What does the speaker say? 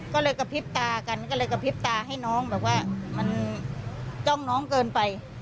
ก็เลยกระพริบตากันก็เลยกระพริบตาให้น้องแบบว่ามันจ้องน้องเกินไป